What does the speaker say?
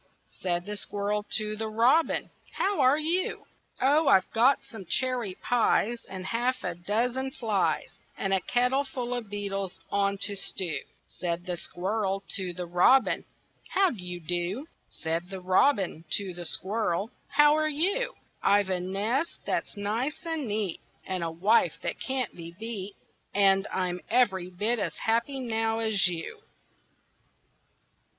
Said the Squirrel to the Robin, "How are you?" "Oh, I've got some cherry pies, And a half a dozen flies, And a kettle full of beetles on to stew." Said the Squirrel to the Robin, "How d' you do?" Said the Robin to the Squirrel, "How are you?" "I've a nest that's nice and neat, And a wife that can't be beat, And I'm every bit as happy now as you."